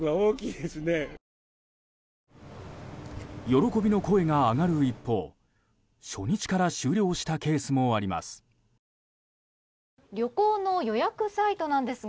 喜びの声が上がる一方初日から終了したケースもあります。